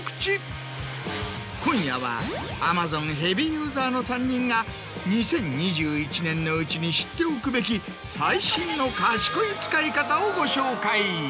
今夜はＡｍａｚｏｎヘビーユーザーの３人が２０２１年のうちに知っておくべき最新の賢い使い方をご紹介。